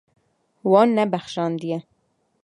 Wan nebexşandiye.